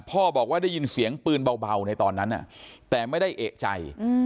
บอกว่าได้ยินเสียงปืนเบาในตอนนั้นแต่ไม่ได้เอกใจ